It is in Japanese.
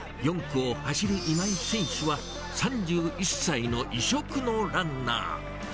４区を走る今井選手は３１歳の異色のランナー。